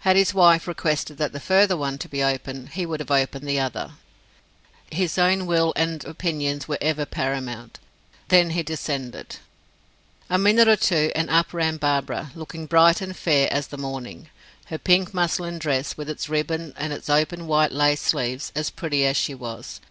Had his wife requested that the further one to be opened, he would have opened the other; his own will and opinions were ever paramount. Then he descended. A minute or two, and up ran Barbara, looking bright and fair as the morning, her pink muslin dress, with its ribbons and its open white lace sleeves, as pretty as she was.